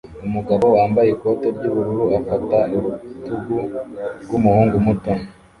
Umugabo wambaye ikote ry'ubururu afata urutugu rw'umuhungu muto